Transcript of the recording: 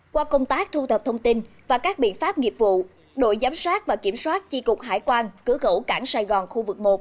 qua công tác thu thập thông tin và các biện pháp nghiệp vụ đội giám sát và kiểm soát chi cục hải quan cửa khẩu cảng sài gòn khu vực một